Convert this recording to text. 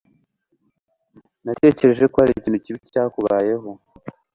Natekereje ko hari ikintu kibi cyakubayeho.